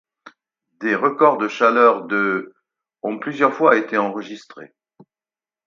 Des records de chaleurs de ont plusieurs fois été enregistrés.